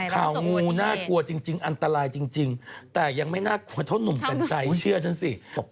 งูน่ากลัวจริงอันตรายจริงแต่ยังไม่น่ากลัวเท่านุ่มกัญชัยเชื่อฉันสิ